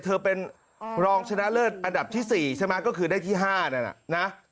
เธอเป็นรองชนะเลิศอันดับที่๔ใช่ไหมก็คือได้ที่๕นั่นน่ะนะ